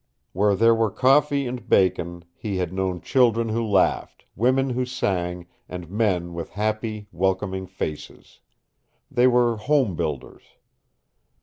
Where there were coffee and bacon, he had known children who laughed, women who sang, and men with happy, welcoming faces. They were home builders.